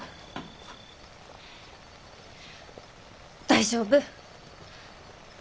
大丈夫！